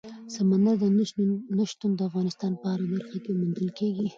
سمندر نه شتون د افغانستان په هره برخه کې موندل کېږي.